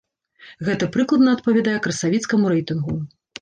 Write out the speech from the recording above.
Гэта прыкладна адпавядае красавіцкаму рэйтынгу.